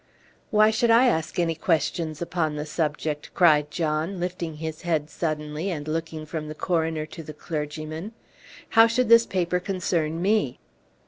"Why should I ask any questions upon the subject?" cried John, lifting his head suddenly, and looking from the coroner to the clergyman. "How should this paper concern me?"